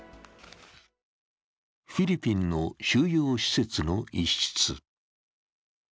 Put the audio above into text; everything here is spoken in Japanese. フィリピンの収容施設の一室。